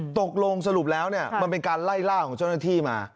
ตกลงสรุปแล้วมันเป็นการไล่ล่าของเจ้าหน้าที่มา